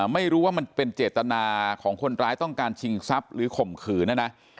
ไม่รู้ว่ามันเป็นเจตนาของคนร้ายต้องการชิงทรัพย์หรือข่มขืนนะนะ